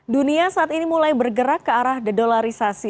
dunia saat ini mulai bergerak ke arah dedolarisasi